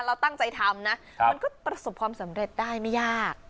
เราตั้งใจทำนะมันก็ประสบความสำเร็จได้ไม่ยาก